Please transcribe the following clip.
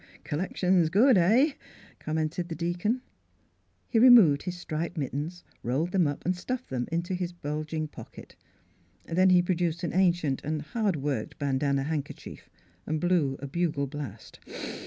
" Collections good — heh," commented the deacon. He removed his striped mittens, rolled them up and stuffed them into his bulg ing pocket. Then he produced an ancient and hard worked bandana handkerchief and blew a bugle blast.